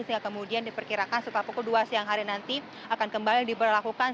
sehingga kemudian diperkirakan setelah pukul dua siang hari nanti akan kembali diberlakukan